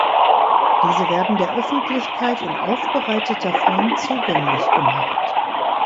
Diese werden der Öffentlichkeit in aufbereiteter Form zugänglich gemacht.